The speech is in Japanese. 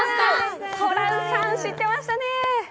ホランさん、知ってましたね。